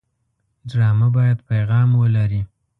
ډرامه باید پیغام ولري